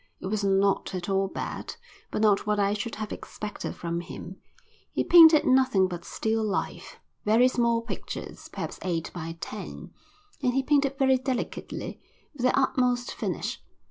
It was not at all bad, but not what I should have expected from him. He painted nothing but still life, very small pictures, perhaps eight by ten; and he painted very delicately, with the utmost finish.